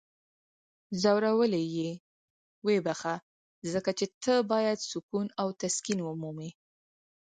ځورولی یی یې؟ ویې بخښه. ځکه چی ته باید سکون او تسکین ومومې!